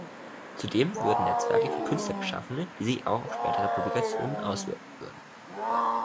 Zudem würden Netzwerke für Künstler geschaffen, die sich auch auf spätere Publikationen auswirken würden.